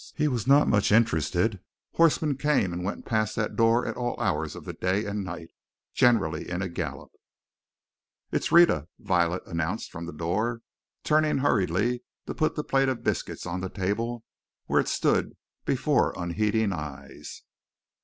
He was not much interested; horsemen came and went past that door at all hours of the day and night, generally in a gallop. "It's Rhetta!" Violet announced from the door, turning hurriedly to put the plate of biscuits on the table, where it stood before unheeding eyes.